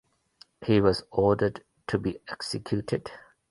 He was ordered to be executed.